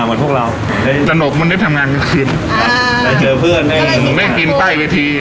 หมดพวกเราสนุกมันได้ทำงานกลางคืนอ่าแต่เจอเพื่อนไม่กินใต้เวียที